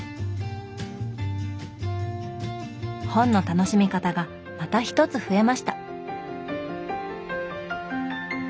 本の楽しみ方がまた一つ増えました。